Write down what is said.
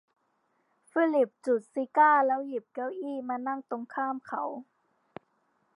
ฟิลิปจุดซิการ์แล้วหยิบเก้าอี้มานั่งตรงข้ามเขา